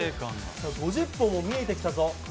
５０本も見えてきたぞ。